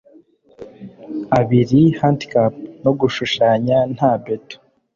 abiri Handicap no gushushanya nta beto